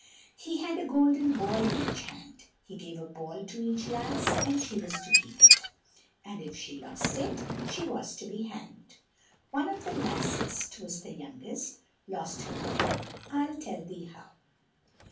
He had a golden ball in each hand. He gave a ball to each lass, and she was to keep it, and if she lost it, she was to be hanged. One of the lasses, 't was the youngest, lost her ball. I'll tell thee how.